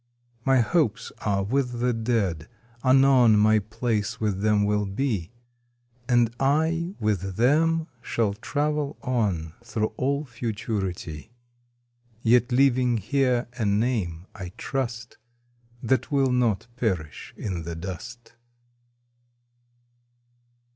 My hopes are with the Dead, anon My place with them will be, And I with them shall travel on Through all Futurity; Yet leaving here a name, I trust, That will not perish in the dust.